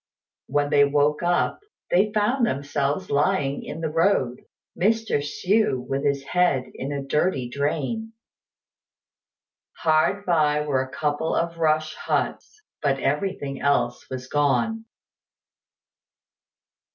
When they woke up, they found themselves lying in the road, Mr. Hsü with his head in a dirty drain. Hard by were a couple of rush huts; but everything else was gone.